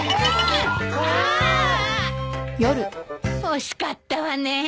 惜しかったわねえ。